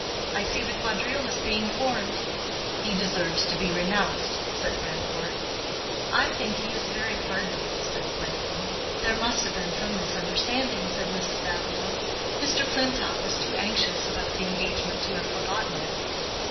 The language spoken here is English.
"I see the quadrille is being formed." "He deserves to be renounced," said Grandcourt. "I think he is very pardonable," said Gwendolen. "There must have been some misunderstanding," said Mrs. Davilow. "Mr. Clintock was too anxious about the engagement to have forgotten it."